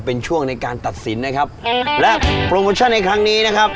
เป็นช่วงในการตัดสินนะครับและโปรโมชั่นในครั้งนี้นะครับ